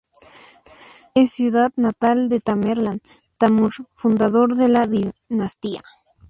Esta es ciudad natal de Tamerlán, Temür, fundador de la dinastía.